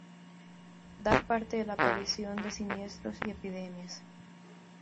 Dar parte de la aparición de siniestros y epidemias.